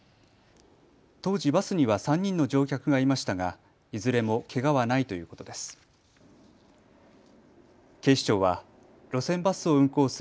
当時、バスには３人の乗客がいましたがいずれもけがはないということです。